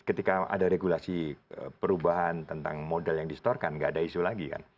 dan ketika ada regulasi perubahan tentang modal yang distorkan nggak ada